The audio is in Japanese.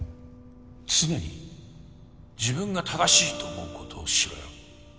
常に自分が正しいと思うことをしろよ。